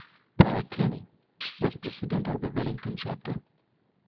Paratene was President of the Wellington chapter.